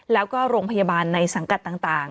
แล้วก็โรงพยาบาลในสังกัดต่าง